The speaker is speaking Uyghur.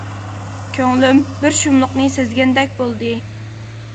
كۆڭلۈم بىر شۇملۇقنى سەزگەندەك بولدى.